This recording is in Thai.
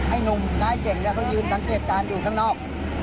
ไอ้หนุ่มไกลเก่งแล้วก็ยืนกันเก็บการอยู่ข้างนอกอ๋อ